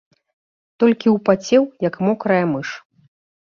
Толькі ўпацеў, як мокрая мыш.